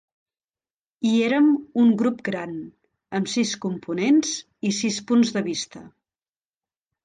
I érem un grup gran, amb sis components i sis punts de vista.